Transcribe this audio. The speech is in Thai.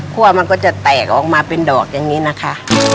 มันก็จะแตกออกมาเป็นดอกอย่างนี้นะคะ